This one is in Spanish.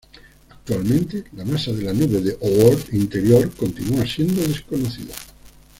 Actualmente la masa de la nube de Oort interior continúa siendo desconocida.